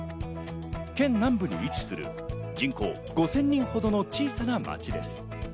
県南部に位置する人口５０００人ほどの小さな町です。